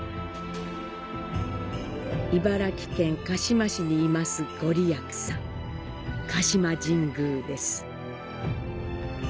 茨城県鹿嶋市に坐す、ごりやくさん、鹿島神宮です。